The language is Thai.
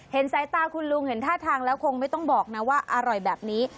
สายตาคุณลุงเห็นท่าทางแล้วคงไม่ต้องบอกนะว่าอร่อยแบบนี้